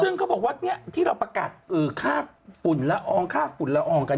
ซึ่งเค้าบอกว่าที่เราก็ประกัสค่าผุ่นละออง